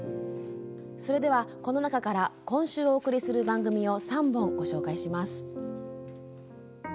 この中から今週お送りする番組を３本ご紹介します。